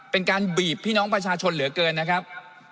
เป็นการบีบพี่น้องประชาชนเหลือเกินนะครับ